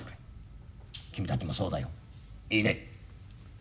君たちもそうだよいいね。